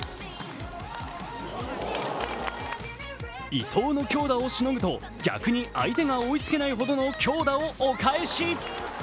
伊藤の強打をしのぐと逆に相手が追いつけないほどの強打をお返し。